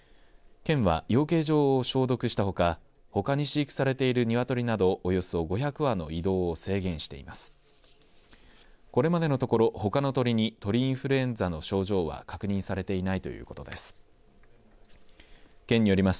県は養鶏場を消毒したほかほかに飼育されている鶏などおよそ５００羽の移動を制限しています。